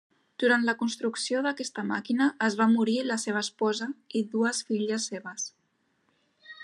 Durant la construcció d'aquesta màquina es va morir la seva esposa i dues filles seves.